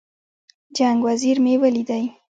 جنګ وزیر مې ولیدی.